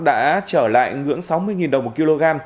đã trở lại ngưỡng sáu mươi đồng một kg